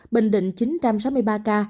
bình định chín sáu mươi ba ca